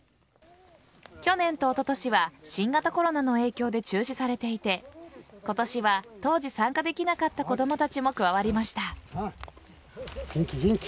去年とおととしは新型コロナの影響で中止されていて今年は当時参加できなかった子供たちも加わりました。